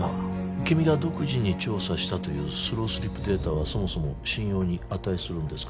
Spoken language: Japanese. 君が独自に調査したというスロースリップデータはそもそも信用に値するんですか？